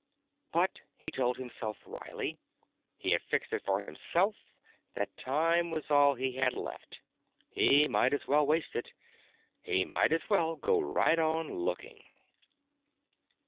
But, he told himself wryly, he had fixed it for himself that time was all he had left. He might as well waste it. He might as well go right on looking....